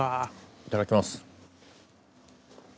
いただきます。